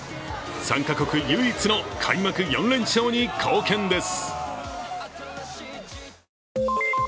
３か国唯一の開幕４連勝に貢献です。